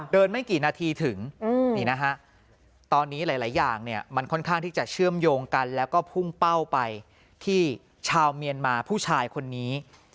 ไม่กี่นาทีถึงนี่นะฮะตอนนี้หลายอย่างเนี่ยมันค่อนข้างที่จะเชื่อมโยงกันแล้วก็พุ่งเป้าไปที่ชาวเมียนมาผู้ชายคนนี้